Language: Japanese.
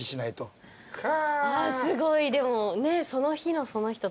すごいでも。